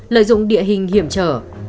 lợi dụng địa hình hiểm trở